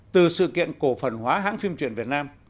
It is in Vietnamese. từ sự kiện cổ phần hóa hãng phim truyện việt nam